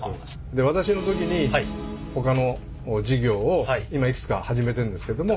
で私の時にほかの事業を今いくつか始めてんですけども。